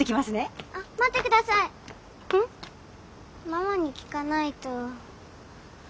ママに聞かないと。